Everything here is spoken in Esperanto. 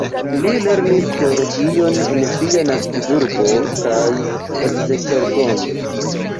Li lernis teologion en sia naskiĝurbo kaj Esztergom.